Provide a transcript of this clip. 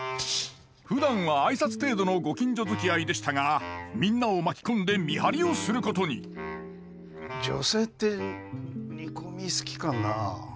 ふだんは挨拶程度のご近所づきあいでしたがみんなを巻き込んで見張りをすることに女性って煮込み好きかなあ。